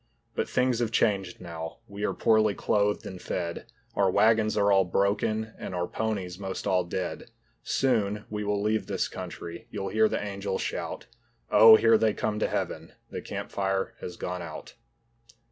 But things have changed now, we are poorly clothed and fed. Our wagons are all broken and our ponies most all dead. Soon we will leave this country, you'll hear the angels shout, "Oh, here they come to Heaven, the campfire has gone out."